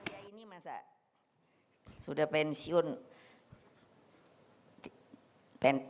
ya ini masa sudah pensiun